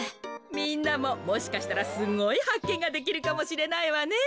みんなももしかしたらすごいはっけんができるかもしれないわね。